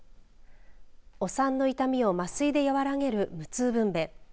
お産の痛みを麻酔で和らげる無痛分娩。